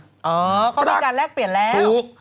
เออเขากำลังการแลกเปลี่ยนแล้ว